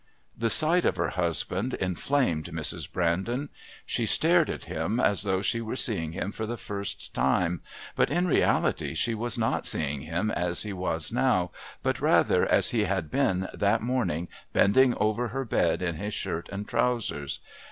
The sight of her husband inflamed Mrs. Brandon. She stared at him as though she were seeing him for the first time, but in reality she was not seeing him as he was now, but rather as he had been that morning bending over her bed in his shirt and trousers.